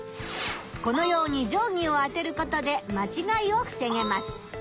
このように定ぎを当てることで間違いをふせげます。